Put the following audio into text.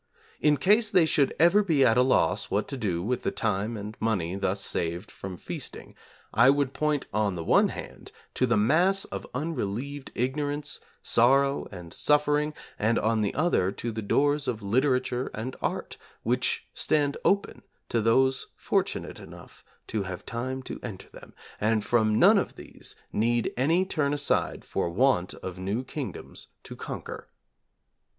In case they should ever be at a loss what to do with the time and money thus saved from feasting, I would point on the one hand to the mass of unrelieved ignorance, sorrow, and suffering, and on the other to the doors of literature and art, which stand open to those fortunate enough to have time to enter them; and from none of these need any turn aside for want of new Kingdoms to conquer.'